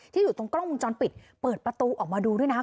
อยู่ตรงกล้องวงจรปิดเปิดประตูออกมาดูด้วยนะ